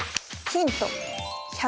ヒント。